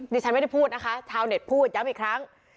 ดิฉันไม่ได้พูดนะคะชาวเน็ตพูดย้ำอีกครั้ง